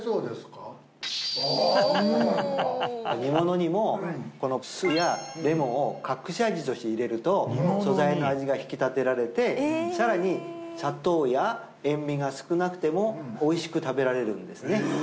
煮物にもこの酢やレモンを隠し味として入れると素材の味が引き立てられてさらに砂糖や塩味が少なくてもおいしく食べられるんですね